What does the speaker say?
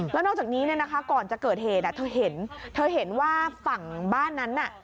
แล้วนอกจากนี้ก่อนจะเกิดเหตุถ้าเธอเห็นว่าฝั่งบ้านนั้น